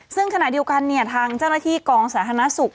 ซึ่งขณะเดียวกันทางเจ้าหน้าที่กองสาธารณสุข